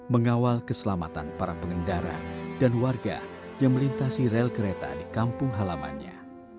mengawal keselamatan para pengendara dan warga yang melintasi rel kereta di kampung halamannya